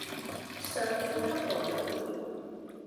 上呼吸道感染